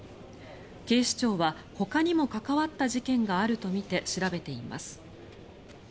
警視庁は、ほかにも関わった事件があるとみて調べています。